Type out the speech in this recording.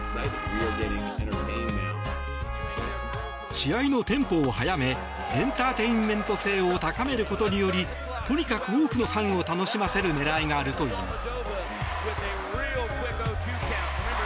試合のテンポを速めエンターテインメント性を高めることによりとにかく多くのファンを楽しませる狙いがあるといいます。